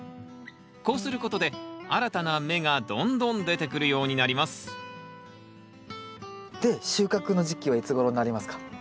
こうすることで新たな芽がどんどん出てくるようになりますで収穫の時期はいつごろになりますか？